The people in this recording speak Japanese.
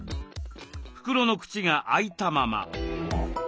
袋の口が開いたまま。